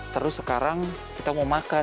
terus sekarang kita mau makan